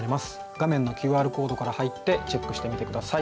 画面のＱＲコードから入ってチェックしてみて下さい。